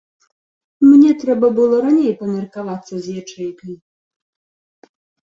Мне трэба было раней памеркавацца з ячэйкай.